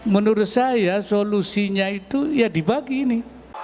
menurut saya solusinya itu ya dibagi ini